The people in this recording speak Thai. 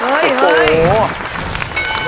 เฮ้ยเฮ้ย